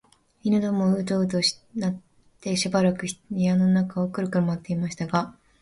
犬どもはううとうなってしばらく室の中をくるくる廻っていましたが、